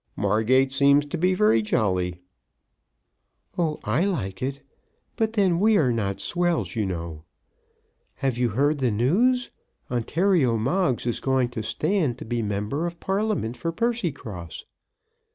"Margate seems to be very jolly." "Oh, I like it. But then we are not swells, you know. Have you heard the news? Ontario Moggs is going to stand to be 'member of Parliament' for Percycross."